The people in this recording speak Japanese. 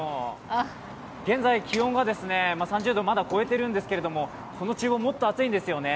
現在気温が３０度をまだ超えているんですけども、この厨房、もっと暑いんですよね。